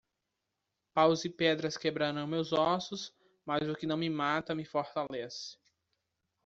Paus e pedras quebrarão meus ossos, mas o que não me mata me fortalece.